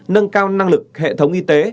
nâng cao năng lực hệ thống y tế